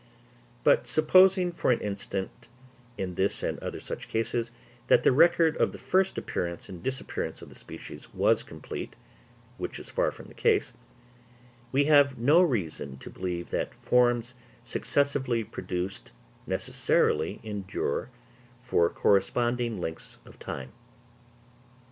But supposing for an instant, in this and other such cases, that the record of the first appearance and disappearance of the species was complete, which is far from the case, we have no reason to believe that forms successively produced necessarily endure for corresponding lengths of time.